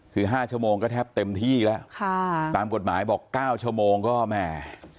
คือ๕ชั่วโมงก็แทบเต็มที่แล้วค่ะตามกฎหมายบอก๙ชั่วโมงก็แม่